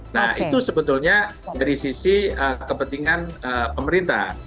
nah itu sebetulnya dari sisi kepentingan pemerintah